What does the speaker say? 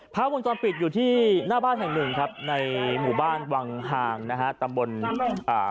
ภาพวงจรปิดอยู่ที่หน้าบ้านแห่งหนึ่งครับในหมู่บ้านวังห่างนะฮะตำบลอ่า